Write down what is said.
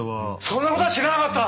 そんなことは知らなかった。